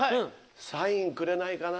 サインくれないかな？